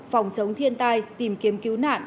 phòng chống thiên tai tìm kiếm cứu nạn